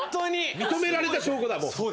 認められた証拠だ、もう。